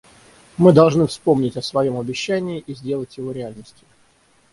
Мы должны вспомнить о своем обещании и сделать его реальностью.